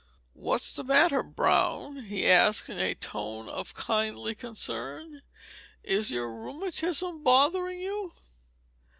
"What's the matter, Brown?" he asked, in a tone of kindly concern. "Is your rheumatism bothering you?